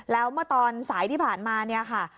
แล้วเมื่อตอนสายที่ผ่านมาเนี่ยค่ะ